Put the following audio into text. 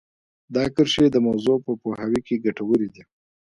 دا کرښې د موضوع په پوهاوي کې ګټورې دي